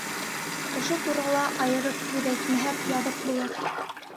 Ошо турала айырып һүҙ әйтмәһәк, яҙыҡ булыр.